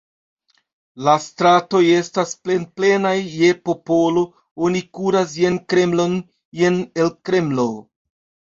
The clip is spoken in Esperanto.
La stratoj estas plenplenaj je popolo, oni kuras jen Kremlon, jen el Kremlo.